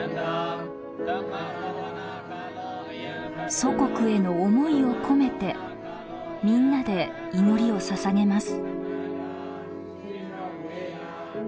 祖国への思いを込めてみんなで祈りをささげます。